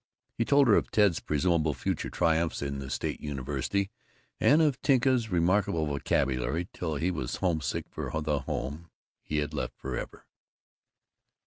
He told her of Ted's presumable future triumphs in the State University and of Tinka's remarkable vocabulary till he was homesick for the home he had left forever.